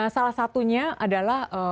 salah satunya adalah